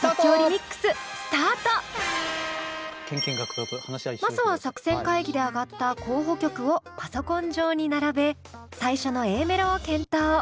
それではまずは作戦会議で挙がった候補曲をパソコン上に並べ最初のＡメロを検討。